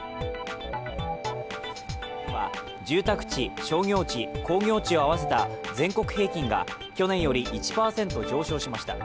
住宅地・商業地・工業地を合わせた全国平均が去年１％上昇しました。